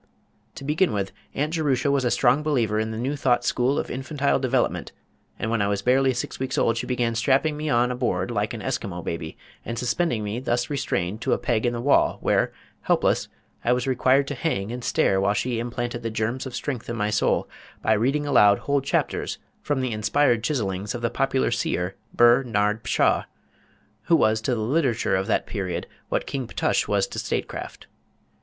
To begin with, Aunt Jerusha was a strong believer in the New Thought School of Infantile Development, and when I was barely six weeks old she began strapping me on a board like an Eskimo baby, and suspending me thus restrained to a peg in the wall, where, helpless, I was required to hang and stare while she implanted the germs of strength in my soul by reading aloud whole chapters from the inspired chisellings of the popular seer Ber Nard Pshaw, who was to the literature of that period what King Ptush was to statecraft.